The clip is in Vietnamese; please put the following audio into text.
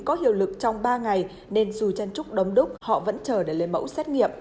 có hiệu lực trong ba ngày nên dù chen trúc đông đúc họ vẫn chờ để lấy mẫu xét nghiệm